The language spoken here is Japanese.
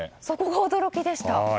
そこが驚きでした。